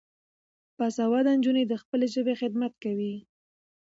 باسواده نجونې د خپلې ژبې خدمت کوي.